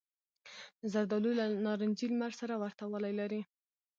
زردالو له نارنجي لمر سره ورته والی لري.